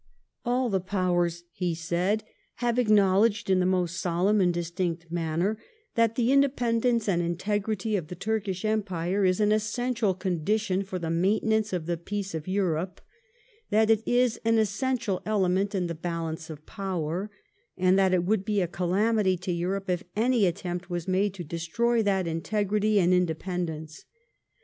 All the Powers [he said] have acknowledged in the most solemn and distinct manner that the independence and integrity of the Tnrkish Empire is an essential condition for the maintenance of the peace of Inrope, that it is an essential element in the balance of power, and that it wonld be a calamity to Enrope if any attempt was made to destroy that integrity and independence.